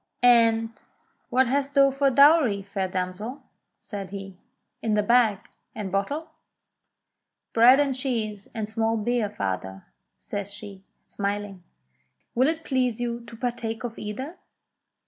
"And what hast thou for dowry, fair damsel.?" said he, "in thy bag and bottle?" "Bread and cheese and small beer, father," says she, smiling. "Will it please you to partake of either